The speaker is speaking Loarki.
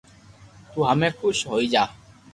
تو ھمي خوݾ ھوئي جا